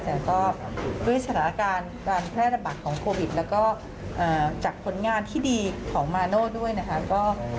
แต่ก็ด้วยสถานการณ์การแพร่ระบาดของโควิดแล้วก็จากผลงานที่ดีของมาโน่ด้วยนะคะ